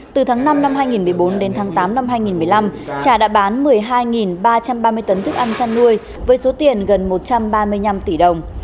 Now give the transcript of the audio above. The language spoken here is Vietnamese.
từ tháng năm năm hai nghìn một mươi bốn đến tháng tám năm hai nghìn một mươi năm trà đã bán một mươi hai ba trăm ba mươi tấn thức ăn chăn nuôi với số tiền gần một trăm ba mươi năm tỷ đồng